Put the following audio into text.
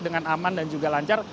dengan aman dan juga lancar